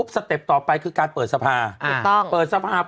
สเต็ปต่อไปคือการเปิดสภาเติบต้อง